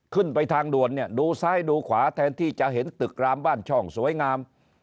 ขึ้นไปทางด่วนเนี่ยดูซ้ายดูขวาแทนที่จะเห็นตึกรามบ้านช่องสวยงาม